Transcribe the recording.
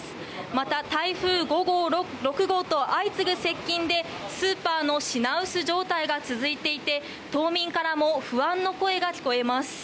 また台風５号、６号と相次ぐ接近でスーパーの品薄状態が続いていて島民からも不安の声が聞こえます。